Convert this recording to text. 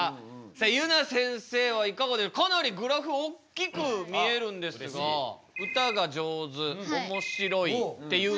さあゆな先生はいかがでかなりグラフおっきく見えるんですが「歌が上手」「おもしろい」っていうのは？